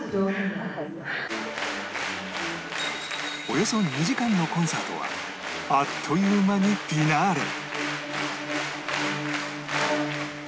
およそ２時間のコンサートはあっという間にフィナーレ